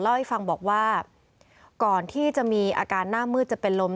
เล่าให้ฟังบอกว่าก่อนที่จะมีอาการหน้ามืดจะเป็นลม